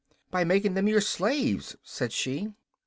"By making them your slaves," said she.